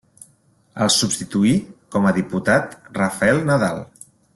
El substituí com a diputat Rafel Nadal.